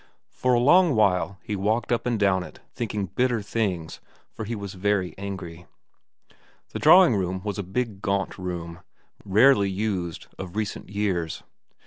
For a long while he walked up and down it thinking bitter things, for he was very angry. The drawing room was a big gaunt room, rarely used of recent years.